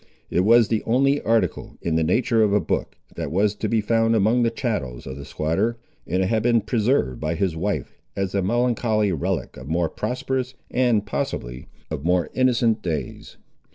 It was the only article, in the nature of a book, that was to be found among the chattels of the squatter, and it had been preserved by his wife, as a melancholy relic of more prosperous, and possibly of more innocent, days.